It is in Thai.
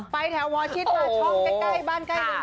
ไปแถวหมอชิตมาช่องใกล้บ้านใกล้หนึ่ง